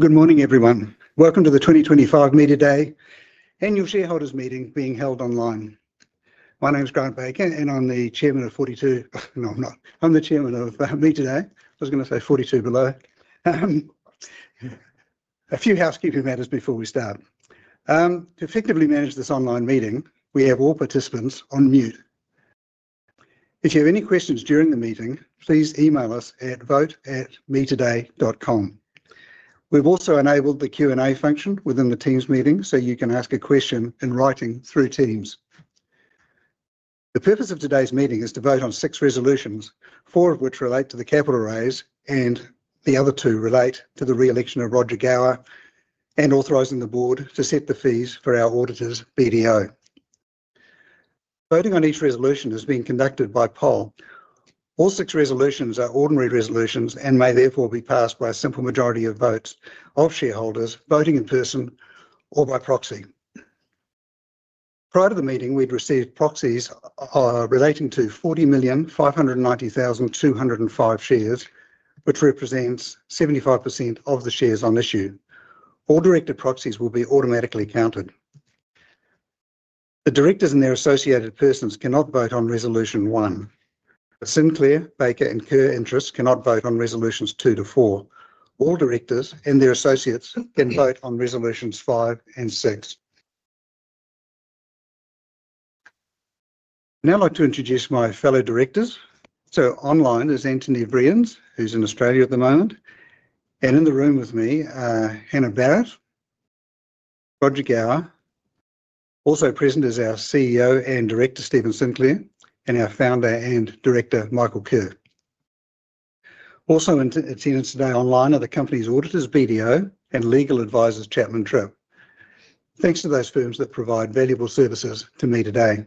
Good morning, everyone. Welcome to the 2025 Me Today annual shareholders' meeting being held online. My name is Grant Baker, and I'm the Chairman of Me Today. A few housekeeping matters before we start. To effectively manage this online meeting, we have all participants on mute. If you have any questions during the meeting, please email us at vote@metoday.com. We've also enabled the Q&A function within the Teams meeting so you can ask a question in writing through Teams. The purpose of today's meeting is to vote on six resolutions, four of which relate to the capital raise, and the other two relate to the reelection of Roger Gower and authorizing the board to set the fees for our auditors, BDO. Voting on each resolution is being conducted by poll. All six resolutions are ordinary resolutions and may therefore be passed by a simple majority of votes of shareholders, voting in person or by proxy. Prior to the meeting, we'd received proxies relating to 40,590,205 shares, which represents 75% of the shares on issue. All directed proxies will be automatically counted. The directors and their associated persons cannot vote on resolution one. Sinclair, Baker, and Kerr Interest cannot vote on resolutions two to four. All directors and their associates can vote on resolutions five and six. Now I'd like to introduce my fellow directors. Online is Anthony Vriens, who's in Australia at the moment, and in the room with me, Hannah Barrett, Roger Gower. Also present is our CEO and Director Stephen Sinclair, and our Founder and Director, Michael Kerr. Also in attendance today online are the company's auditors, BDO, and legal advisors, Chapman Tripp. Thanks to those firms that provide valuable services to Me Today.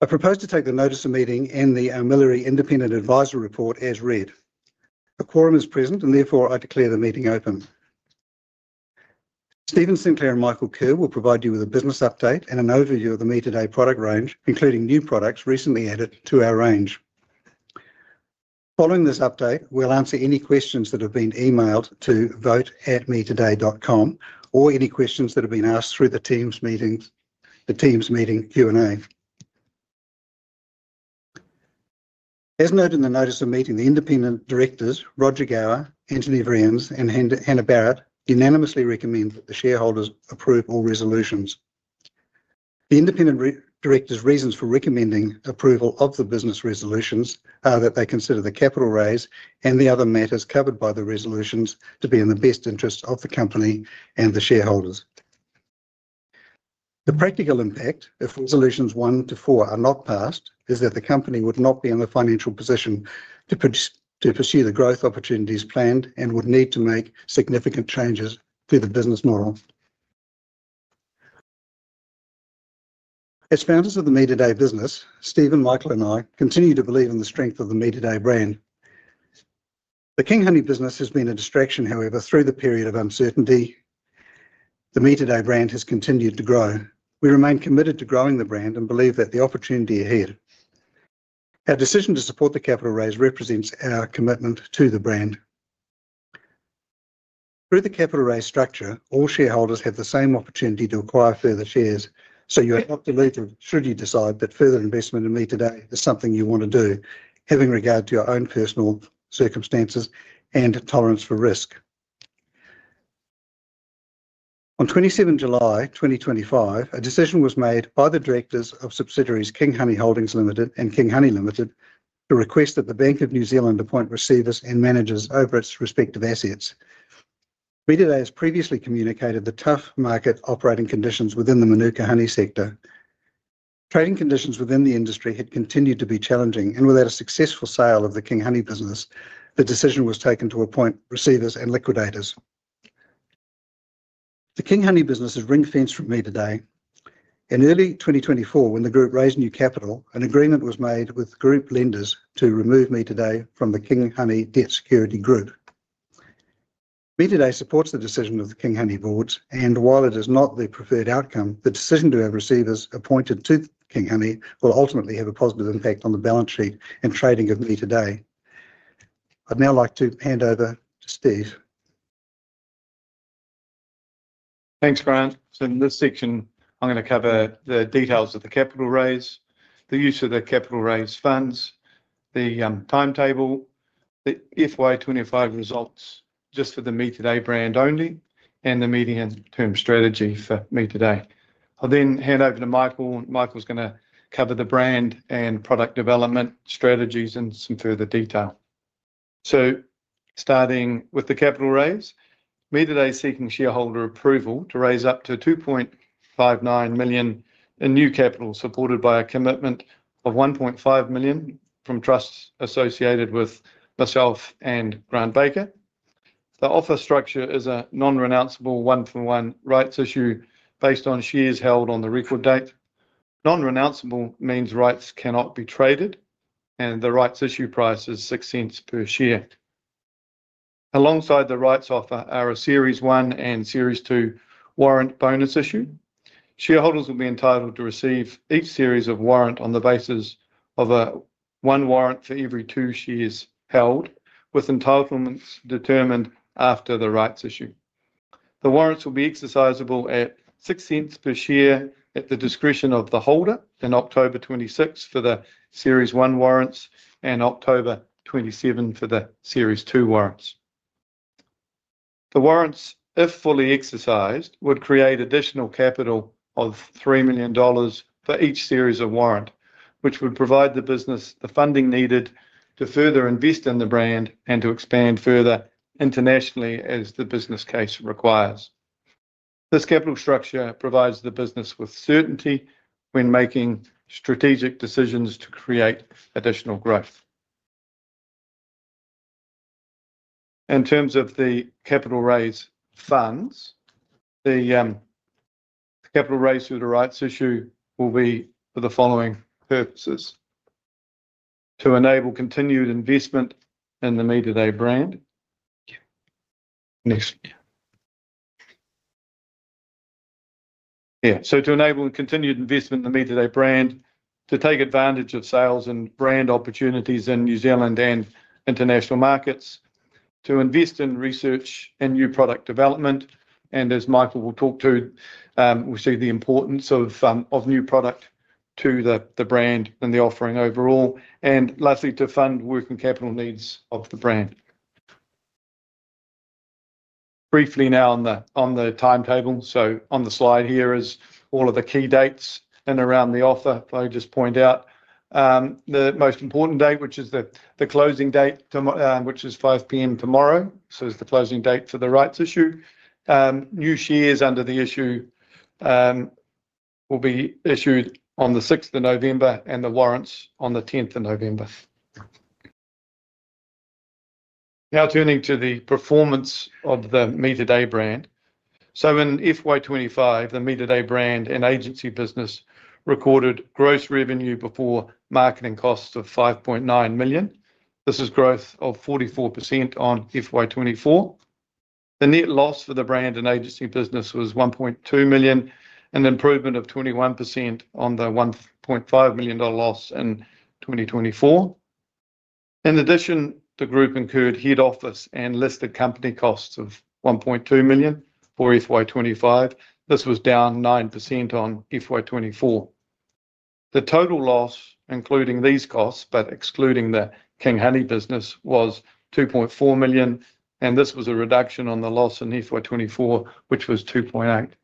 I propose to take the notice of meeting and the Armillary Independent Advisor Report as read. A quorum is present, and therefore I declare the meeting open. Stephen Sinclair and Michael Kerr will provide you with a business update and an overview of the Me Today product range, including new products recently added to our range. Following this update, we'll answer any questions that have been emailed to vote@metoday.com or any questions that have been asked through the Teams meeting Q&A. As noted in the notice of meeting, the independent directors, Roger Gower, Anthony Vriens, and Hannah Barrett, unanimously recommend that the shareholders approve all resolutions. The independent directors' reasons for recommending approval of the business resolutions are that they consider the capital raise and the other matters covered by the resolutions to be in the best interest of the company and the shareholders. The practical impact, if resolutions one to four are not passed, is that the company would not be in the financial position to pursue the growth opportunities planned and would need to make significant changes to the business model. As founders of the Me Today business, Stephen, Michael, and I continue to believe in the strength of the Me Today brand. The King Honey business has been a distraction. However, through the period of uncertainty, the Me Today brand has continued to grow. We remain committed to growing the brand and believe that the opportunity is ahead. Our decision to support the capital raise represents our commitment to the brand. Through the capital raise structure, all shareholders have the same opportunity to acquire further shares, so you are not diluted should you decide that further investment in Me Today is something you want to do, having regard to your own personal circumstances and tolerance for risk. On July 27, 2025, a decision was made by the directors of subsidiaries King Honey Holdings Ltd. and King Honey Ltd. to request that the Bank of New Zealand appoint receivers and managers over its respective assets. Me Today has previously communicated the tough market operating conditions within the Manuka Honey sector. Trading conditions within the industry had continued to be challenging, and without a successful sale of the King Honey business, the decision was taken to appoint receivers and liquidators. The King Honey business is ring-fenced from Me Today. In early 2024, when the group raised new capital, an agreement was made with group lenders to remove Me Today from the King Honey debt security group. Me Today supports the decision of the King Honey boards, and while it is not the preferred outcome, the decision to have receivers appointed to King Honey will ultimately have a positive impact on the balance sheet and trading of Me Today. I'd now like to hand over to Steve. Thanks, Grant. In this section, I'm going to cover the details of the capital raise, the use of the capital raise funds, the timetable, the FY 2025 results just for the Me Today brand only, and the medium term strategy for Me Today. I'll then hand over to Michael. Michael's going to cover the brand and product development strategies in some further detail. Starting with the capital raise, Me Today is seeking shareholder approval to raise up to 2.59 million in new capital, supported by a commitment of 1.5 million from trusts associated with myself and Grant Baker. The offer structure is a non-renounceable one-for-one rights issue based on shares held on the record date. Non-renounceable means rights cannot be traded, and the rights issue price is 0.06 per share. Alongside the rights offer are a Series 1 and Series 2 warrant bonus issue. Shareholders will be entitled to receive each series of warrant on the basis of one warrant for every two shares held, with entitlements determined after the rights issue. The warrants will be exercisable at 0.06 per share at the discretion of the holder on October 26 for the Series 1 warrants and October 27 for the Series 2 warrants. The warrants, if fully exercised, would create additional capital of 3 million dollars for each series of warrant, which would provide the business the funding needed to further invest in the brand and to expand further internationally as the business case requires. This capital structure provides the business with certainty when making strategic decisions to create additional growth. In terms of the capital raise funds, the capital raise through the rights issue will be for the following purposes: to enable continued investment in the Me Today brand, to take advantage of sales and brand opportunities in New Zealand and international markets, to invest in research and new product development, and as Michael will talk to, we see the importance of new product to the brand and the offering overall, and lastly, to fund working capital needs of the brand. Briefly now on the timetable, on the slide here is all of the key dates in and around the offer. If I just point out the most important date, which is the closing date, which is 5:00 P.M. tomorrow, it's the closing date for the rights issue. New shares under the issue will be issued on November 6, and the warrants on November 10. Now turning to the performance of the Me Today brand. In FY 2025, the Me Today brand and agency business recorded gross revenue before marketing costs of 5.9 million. This is growth of 44% on FY 2024. The net loss for the brand and agency business was 1.2 million, an improvement of 21% on the 1.5 million dollar loss in 2024. In addition, the group incurred head office and listed company costs of 1.2 million for FY 2025. This was down 9% on FY 2024. The total loss, including these costs but excluding the King Honey business, was 2.4 million, and this was a reduction on the loss in FY 2024, which was 2.8 million.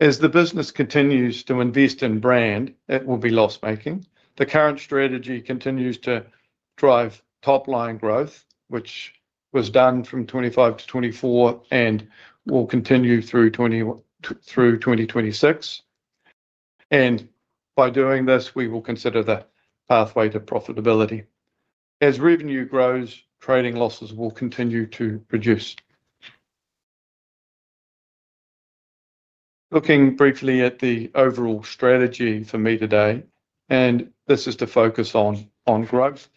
As the business continues to invest in brand, it will be loss-making. The current strategy continues to drive top-line growth, which was done from 2025 to 2024 and will continue through 2026. By doing this, we will consider the pathway to profitability. As revenue grows, trading losses will continue to reduce. Looking briefly at the overall strategy for Me Today, this is to focus on growth.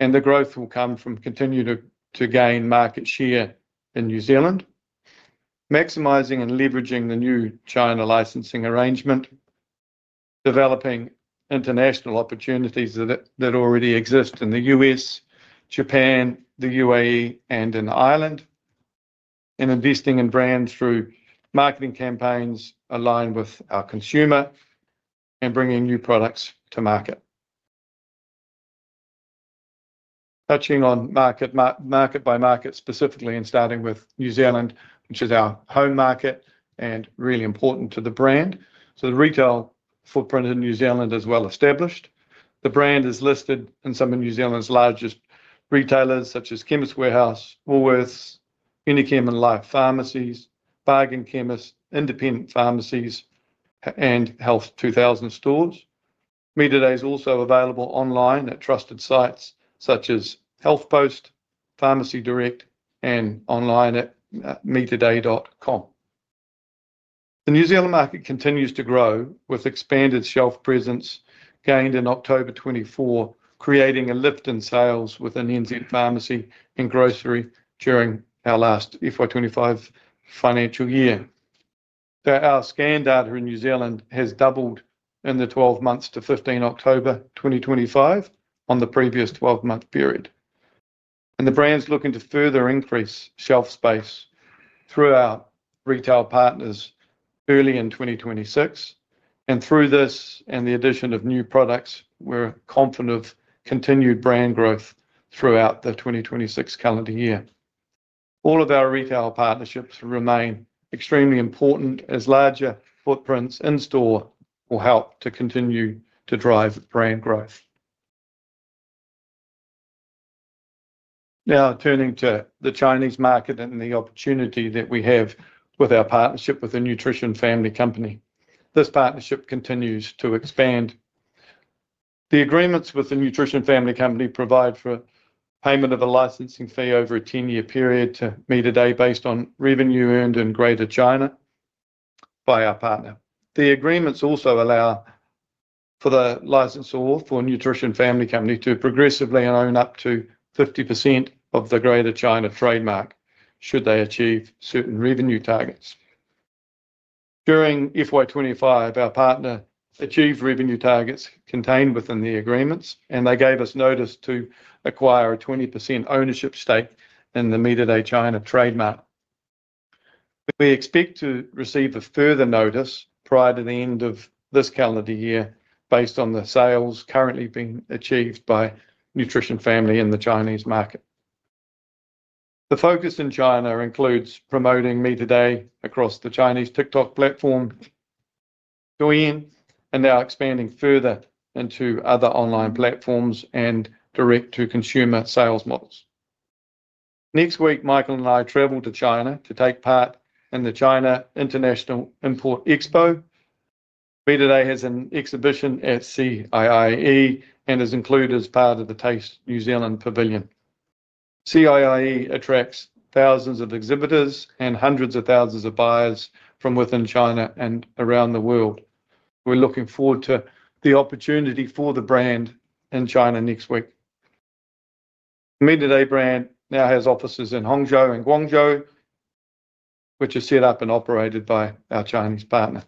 The growth will come from continuing to gain market share in New Zealand, maximizing and leveraging the new China licensing arrangement, developing international opportunities that already exist in the U.S., Japan, the UAE, and in Ireland, and investing in brand through marketing campaigns aligned with our consumer and bringing new products to market. Touching on market by market specifically and starting with New Zealand, which is our home market and really important to the brand. The retail footprint in New Zealand is well established. The brand is listed in some of New Zealand's largest retailers, such as Chemist Warehouse, Woolworths, InnoCare and Life Pharmacies, Bargain Chemist, Independent Pharmacies, and Health 2000 stores. Me Today is also available online at trusted sites such as Health Post, Pharmacy Direct, and online at metoday.com. The New Zealand market continues to grow with expanded shelf presence gained in October 2024, creating a lift in sales with NZ pharmacy and grocery during our last FY 2025 financial year. Our scan data in New Zealand has doubled in the 12 months to 15 October 2025 on the previous 12-month period. The brand's looking to further increase shelf space throughout retail partners early in 2026. Through this and the addition of new products, we're confident of continued brand growth throughout the 2026 calendar year. All of our retail partnerships remain extremely important as larger footprints in store will help to continue to drive brand growth. Now turning to the Chinese market and the opportunity that we have with our partnership with the Nutrition Family Company. This partnership continues to expand. The agreements with the Nutrition Family Company provide for payment of a licensing fee over a 10-year period to Me Today based on revenue earned in Greater China by our partner. The agreements also allow for the licensor or for Nutrition Family Company to progressively own up to 50% of the Greater China trademark should they achieve certain revenue targets. During FY 2025, our partner achieved revenue targets contained within the agreements, and they gave us notice to acquire a 20% ownership stake in the Me Today China trademark. We expect to receive a further notice prior to the end of this calendar year based on the sales currently being achieved by Nutrition Family in the Chinese market. The focus in China includes promoting Me Today across the Chinese TikTok platform, Douyin, and now expanding further into other online platforms and direct-to-consumer sales models. Next week, Michael and I travel to China to take part in the China International Import Expo. Me Today has an exhibition at CIIE and is included as part of the Taste New Zealand Pavilion. CIIE attracts thousands of exhibitors and hundreds of thousands of buyers from within China and around the world. We're looking forward to the opportunity for the brand in China next week. Me Today brand now has offices in Hangzhou and Guangzhou, which are set up and operated by our Chinese partner.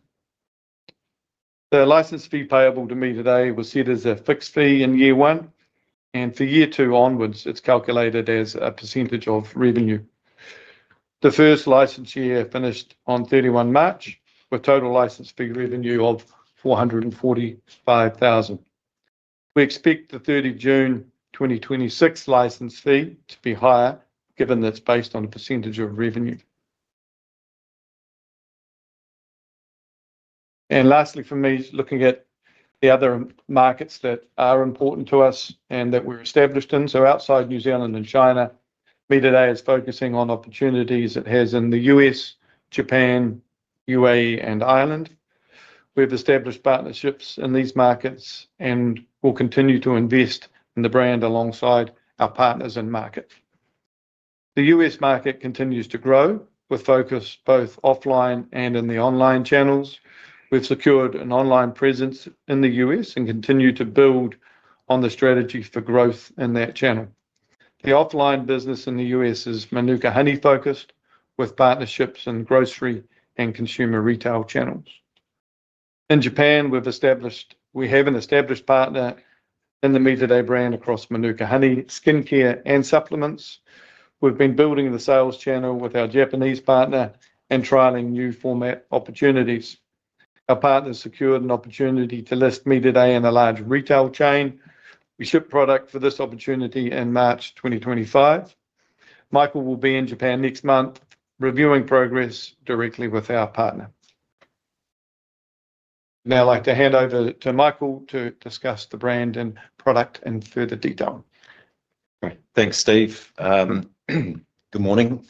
The license fee payable to Me Today was set as a fixed fee in year one, and for year two onwards, it's calculated as a percentage of revenue. The first license year finished on 31 March, with total license fee revenue of 445,000. We expect the 30 June 2026 license fee to be higher, given that it's based on a percentage of revenue. Lastly, for me, looking at the other markets that are important to us and that we're established in, so outside New Zealand and China, Me Today is focusing on opportunities it has in the U.S., Japan, UAE, and Ireland. We've established partnerships in these markets and will continue to invest in the brand alongside our partners and markets. The U.S. market continues to grow with focus both offline and in the online channels. We've secured an online presence in the US and continue to build on the strategy for growth in that channel. The offline business in the U.S. is Manuka Honey focused, with partnerships in grocery and consumer retail channels. In Japan, we have an established partner in the Me Today brand across Manuka Honey, skincare, and supplements. We've been building the sales channel with our Japanese partner and trialing new format opportunities. Our partner secured an opportunity to list Me Today in a large retail chain. We ship product for this opportunity in March 2025. Michael will be in Japan next month reviewing progress directly with our partner. Now I'd like to hand over to Michael to discuss the brand and product in further detail. Thanks, Steve. Good morning.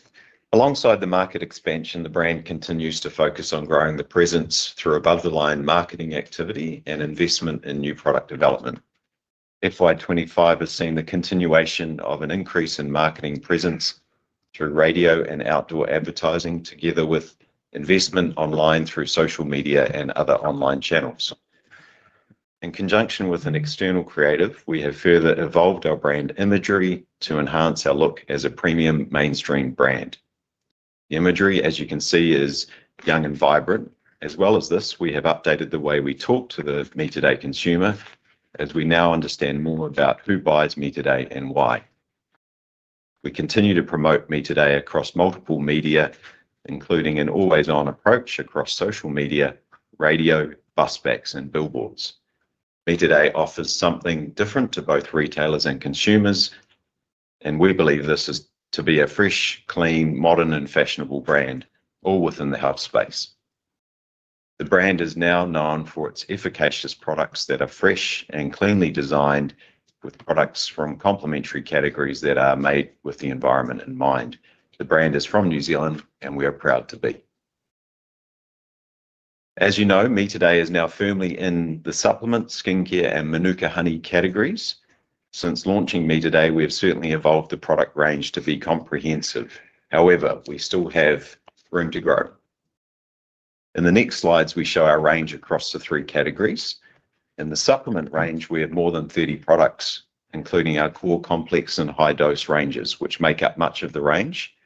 Alongside the market expansion, the brand continues to focus on growing the presence through above-the-line marketing activity and investment in new product development. FY 2025 has seen the continuation of an increase in marketing presence through radio and outdoor advertising, together with investment online through social media and other online channels. In conjunction with an external creative, we have further evolved our brand imagery to enhance our look as a premium mainstream brand. The imagery, as you can see, is young and vibrant. As well as this, we have updated the way we talk to the Me Today consumer as we now understand more about who buys Me Today and why. We continue to promote Me Today across multiple media, including an always-on approach across social media, radio, bus specs, and billboards. Me Today offers something different to both retailers and consumers, and we believe this is to be a fresh, clean, modern, and fashionable brand, all within the health space. The brand is now known for its efficacious products that are fresh and cleanly designed, with products from complementary categories that are made with the environment in mind. The brand is from New Zealand, and we are proud to be. As you know, Me Today is now firmly in the supplement, skincare, and Manuka Honey categories. Since launching Me Today, we have certainly evolved the product range to be comprehensive. However, we still have room to grow. In the next slides, we show our range across the three categories. In the supplement range, we have more than 30 products, including our core complex and high-dose ranges, which make up much of the range.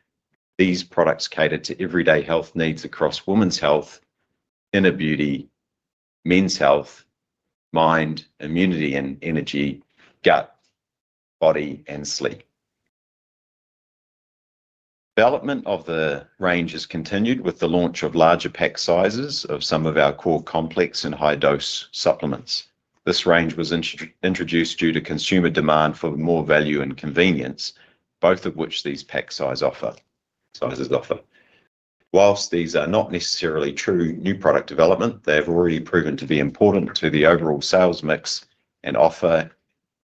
These products cater to everyday health needs across women's health, inner beauty, men's health, mind, immunity, and energy, gut, body, and sleep. Development of the range has continued with the launch of larger pack sizes of some of our core complex and high-dose supplements. This range was introduced due to consumer demand for more value and convenience, both of which these pack sizes offer. Whilst these are not necessarily true new product development, they have already proven to be important to the overall sales mix and offer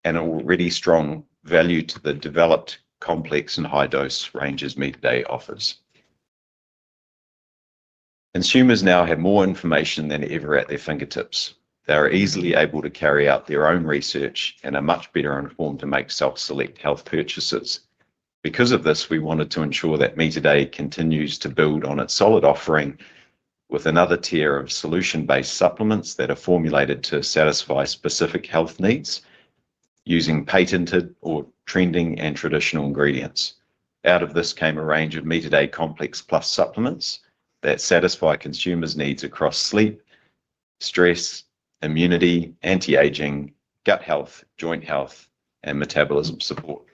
an already strong value to the developed complex and high-dose ranges Me Today offers. Consumers now have more information than ever at their fingertips. They are easily able to carry out their own research and are much better informed to make self-select health purchases. Because of this, we wanted to ensure that Me Today continues to build on its solid offering with another tier of solution-based supplements that are formulated to satisfy specific health needs using patented or trending and traditional ingredients. Out of this came a range of Me Today Complex + supplements that satisfy consumers' needs across sleep, stress, immunity, anti-aging, gut health, joint health, and metabolism support.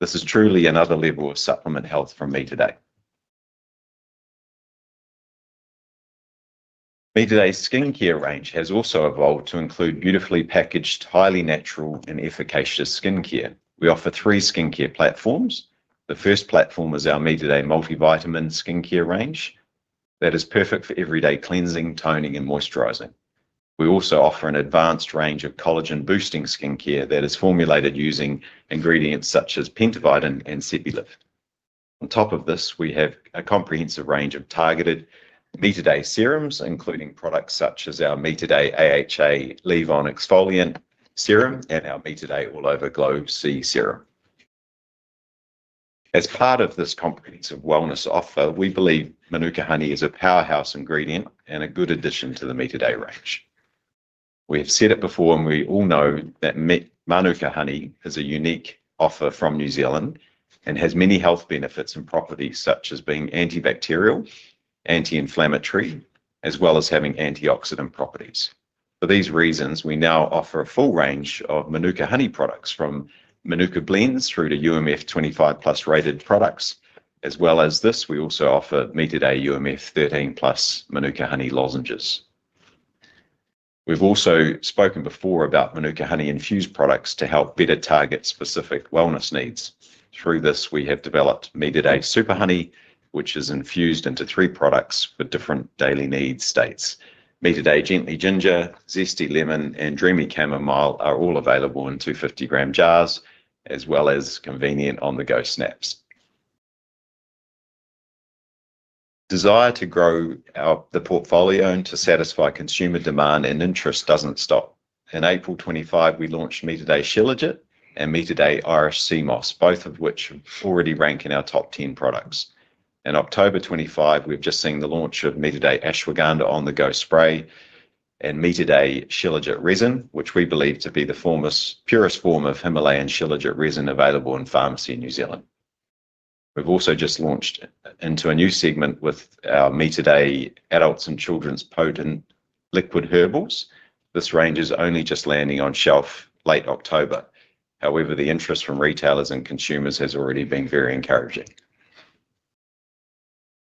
This is truly another level of supplement health from Me Today. Me Today's skincare range has also evolved to include beautifully packaged, highly natural, and efficacious skincare. We offer three skincare platforms. The first platform is our Me Today Multivitamin skincare range that is perfect for everyday cleansing, toning, and moisturizing. We also offer an advanced range of collagen-boosting skincare that is formulated using ingredients such as PENTAVITIN and Sipulif. On top of this, we have a comprehensive range of targeted Me Today serums, including products such as our Me Today AHA Leave-On Exfoliant serum and our Me Today All-Over Glow C serum. As part of this comprehensive wellness offer, we believe Manuka Honey is a powerhouse ingredient and a good addition to the Me Today range. We have said it before, and we all know that Manuka Honey is a unique offer from New Zealand and has many health benefits and properties, such as being antibacterial, anti-inflammatory, as well as having antioxidant properties. For these reasons, we now offer a full range of Manuka Honey products, from Manuka Blends through to UMF 25+ rated products. As well as this, we also offer Me Today UMF 13+ Manuka Honey lozenges. We've also spoken before about Manuka Honey infused products to help better target specific wellness needs. Through this, we have developed Me Today Superhoney, which is infused into three products for different daily needs states. Me Today Gently Ginger, Zesty Lemon, and Dreamy Chamomile are all available in 250-gram jars, as well as convenient on-the-go snaps. Desire to grow the portfolio to satisfy consumer demand and interest doesn't stop. On April 25, we launched Me Today Shilajit and Me Today Irish Sea Moss, both of which already rank in our top 10 products. On October 25, we've just seen the launch of Me Today Ashwagandha on-the-go spray and Me Today Shilajit resin, which we believe to be the purest form of Himalayan Shilajit resin available in pharmacy in New Zealand. We've also just launched into a new segment with our Me Today Adults and Children's Potent Liquid Herbals. This range is only just landing on shelf late October. However, the interest from retailers and consumers has already been very encouraging.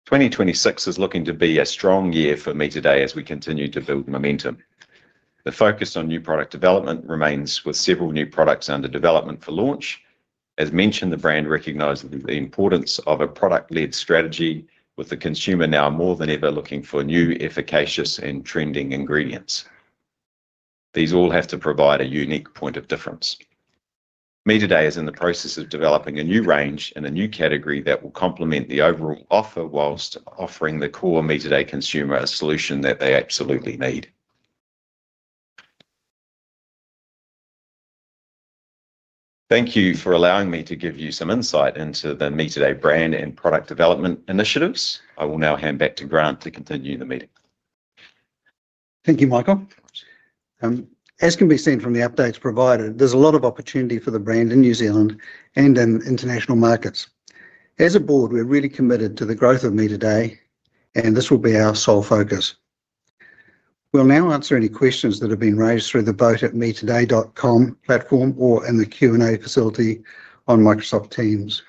2026 is looking to be a strong year for Me Today as we continue to build momentum. The focus on new product development remains, with several new products under development for launch. As mentioned, the brand recognizes the importance of a product-led strategy, with the consumer now more than ever looking for new, efficacious, and trending ingredients. These all have to provide a unique point of difference. Me Today is in the process of developing a new range and a new category that will complement the overall offer while offering the core Me Today consumer a solution that they absolutely need. Thank you for allowing me to give you some insight into the Me Today brand and product development initiatives. I will now hand back to Grant to continue the meeting. Thank you, Michael. As can be seen from the updates provided, there's a lot of opportunity for the brand in New Zealand and in international markets. As a board, we're really committed to the growth of Me Today, and this will be our sole focus. We'll now answer any questions that have been raised through the vote@metoday.com platform or in the Q&A facility on Microsoft Teams.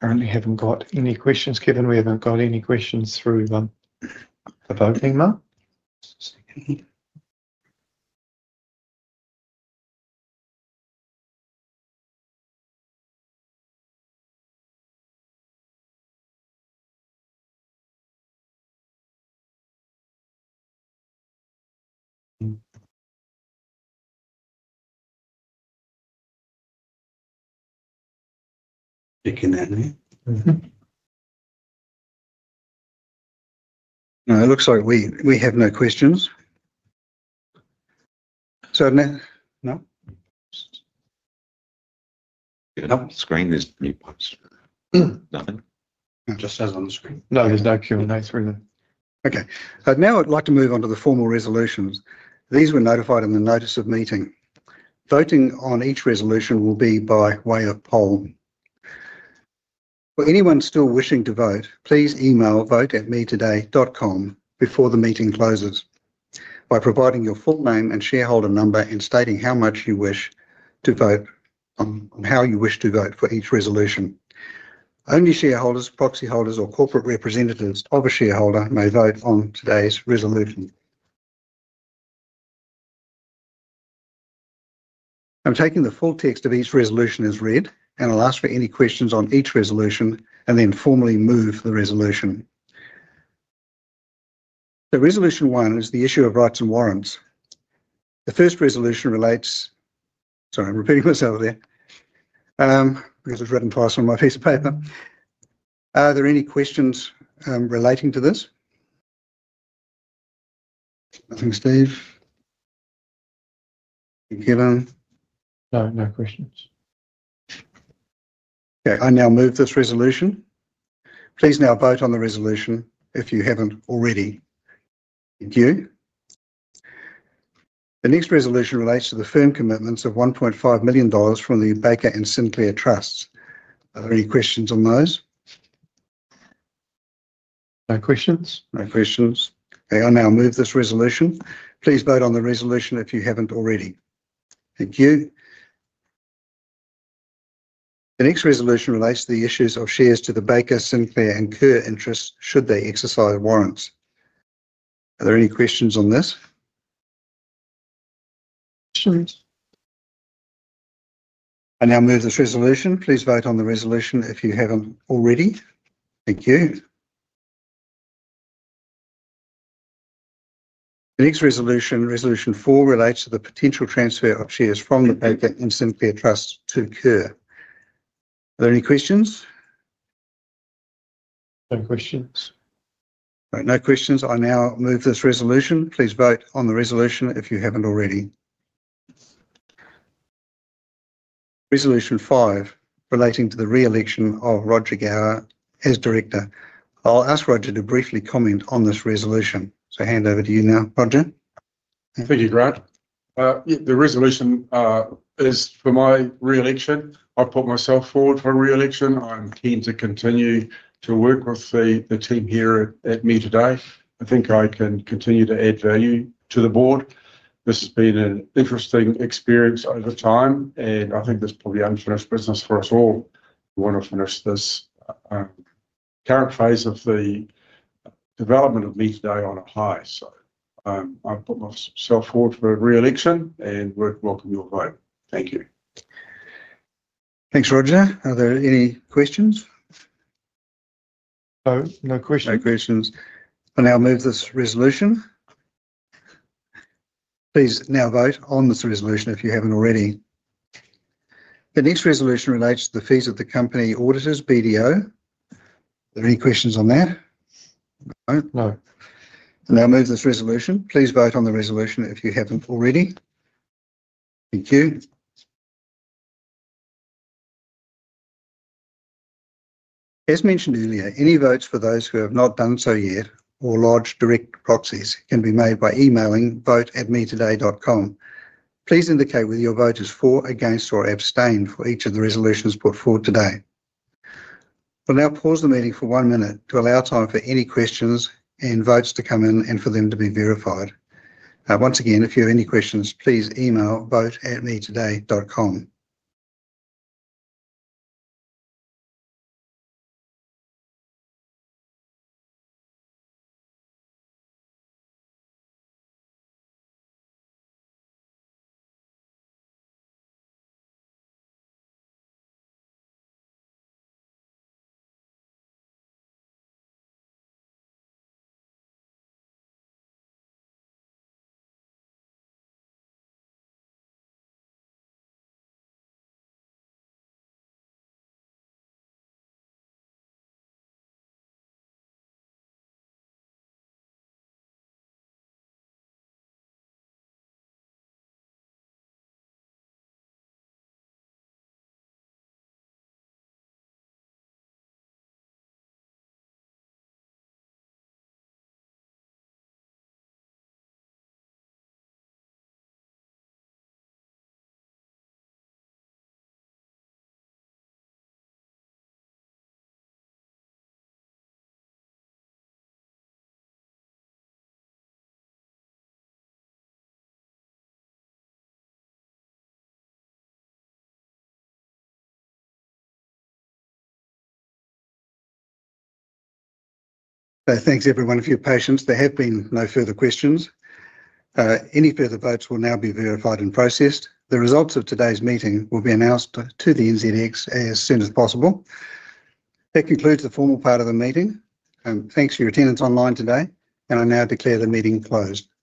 Currently, we haven't got any questions, given we haven't got any questions through the voting mark. It looks like we have no questions now. No, screen isn't much. Nothing? No, just as on the screen. No, there's no Q&A screen. Okay. Now I'd like to move on to the formal resolutions. These were notified in the notice of meeting. Voting on each resolution will be by way of poll. For anyone still wishing to vote, please email vote@metoday.com before the meeting closes by providing your full name and shareholder number and stating how much you wish to vote on and how you wish to vote for each resolution. Only shareholders, proxy holders, or corporate representatives of a shareholder may vote on today's resolution. I'm taking the full text of each resolution as read. I'll ask for any questions on each resolution and then formally move the resolution. Resolution one is the issue of rights and warrants. The first resolution relates— Sorry, I'm repeating myself there because it's written twice on my piece of paper. Are there any questions relating to this? Nothing, Steve. Kevin. No, no questions. Okay. I now move this resolution. Please now vote on the resolution if you haven't already. Thank you. The next resolution relates to the firm commitments of 1.5 million dollars from the Baker and Sinclair Trusts. Are there any questions on those? No questions. No questions. Okay. I now move this resolution. Please vote on the resolution if you haven't already. Thank you. The next resolution relates to the issues of shares to the Baker, Sinclair, and Kerr interests should they exercise warrants. Are there any questions on this? Questions. I now move this resolution. Please vote on the resolution if you haven't already. Thank you. The next resolution, resolution four, relates to the potential transfer of shares from the Baker and Sinclair Trust to Kerr. Are there any questions? No questions. All right. No questions. I now move this resolution. Please vote on the resolution if you haven't already. Resolution five relating to the reelection of Roger Gower as Director. I'll ask Roger to briefly comment on this resolution. I hand over to you now, Roger. Thank you, Grant. The resolution is for my reelection. I've put myself forward for a reelection. I'm keen to continue to work with the team here at Me Today. I think I can continue to add value to the board. This has been an interesting experience over time, and I think this is probably unfinished business for us all. We want to finish this current phase of the development of Me Today on a high. I've put myself forward for a reelection and welcome your vote. Thank you. Thanks, Roger. Are there any questions? No, no questions. No questions. I now move this resolution. Please now vote on this resolution if you haven't already. The next resolution relates to the fees of the company auditors, BDO. Are there any questions on that? No. No. I now move this resolution. Please vote on the resolution if you haven't already. Thank you. As mentioned earlier, any votes for those who have not done so yet or lodged direct proxies can be made by emailing vote@metoday.com. Please indicate whether your vote is for, against, or abstain for each of the resolutions put forward today. We'll now pause the meeting for one minute to allow time for any questions and votes to come in and for them to be verified. Once again, if you have any questions, please email vote@metoday.com. Thanks, everyone, for your patience. There have been no further questions. Any further votes will now be verified and processed. The results of today's meeting will be announced to the NZX as soon as possible. That concludes the formal part of the meeting. Thanks for your attendance online today, and I now declare the meeting closed. Thank you.